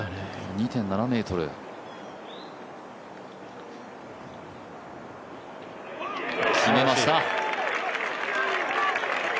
２．７ｍ、決めました。